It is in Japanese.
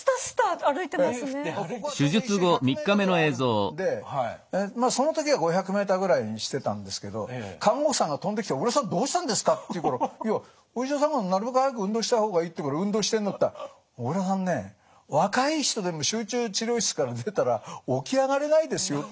ここはちょうど１周１００ｍぐらいあるんでまあその時は５００ｍぐらいにしてたんですけど看護師さんが飛んできて「小倉さんどうしたんですか」って言うから「いやお医者さんがなるべく早く運動した方がいいって言うから運動してんだ」って言ったら「小倉さんね若い人でも集中治療室から出たら起き上がれないですよ」って言うわけ。